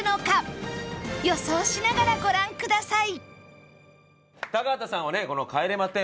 予想しながらご覧ください